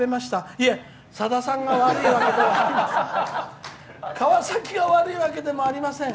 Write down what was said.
いえ、さださんが悪いわけではありません。